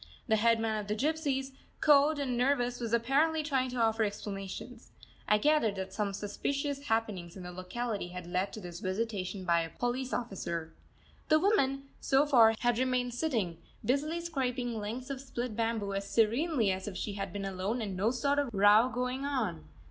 The headman of the gypsies, cowed and nervous, was apparently trying to offer explanations. I gathered that some suspicious happenings in the locality had led to this visitation by a police officer. The woman, so far, had remained sitting, busily scraping lengths of split bamboo as serenely as if she had been alone and no sort of row going on.